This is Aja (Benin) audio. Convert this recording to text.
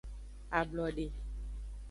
Ablode.